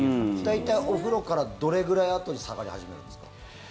大体、お風呂からどれぐらいあとに下がり始めるんですか？